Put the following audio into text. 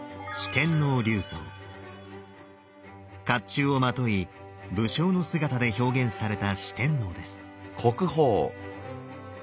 甲冑をまとい武将の姿で表現された四天王です。